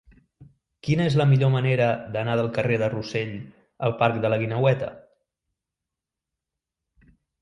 Quina és la millor manera d'anar del carrer de Rossell al parc de la Guineueta?